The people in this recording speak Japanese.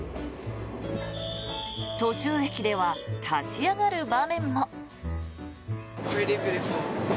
途中駅では立ち上がる場面も。